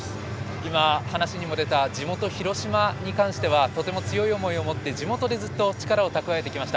今、話に出た地元広島に関してはとても強い思いを持って地元で力を蓄えてきました。